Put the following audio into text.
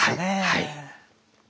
はい。